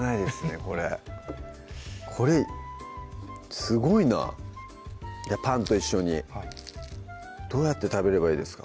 これこれすごいなパンと一緒にどうやって食べればいいですか？